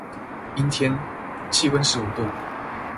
陰天，氣溫十五度